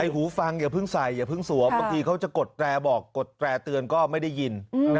หูฟังอย่าเพิ่งใส่อย่าเพิ่งสวมบางทีเขาจะกดแตรบอกกดแตร่เตือนก็ไม่ได้ยิน